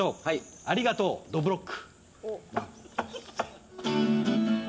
「ありがとうどぶろっく」。